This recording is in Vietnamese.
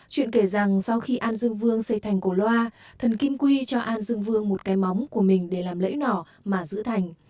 chuyện kể rằng sau khi an dương vương xây thành cổ loa thần kim quy cho an dương vương một cái móng của mình để làm lẫy nỏ mà giữ thành